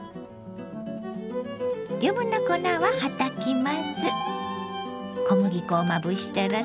余分な粉ははたきます。